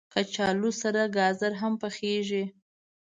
کچالو سره ګازر هم پخېږي